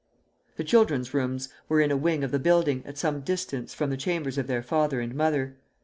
The children's rooms were in a wing of the building, at some distance from the chambers of their father and mother.